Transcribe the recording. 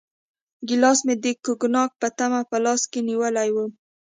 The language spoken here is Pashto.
ګیلاس مې د کوګناک په تمه په لاس کې نیولی و.